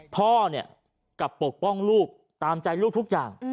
พ่อเนี่ยกลับปกป้องลูกตามใจลูกทุกอย่าง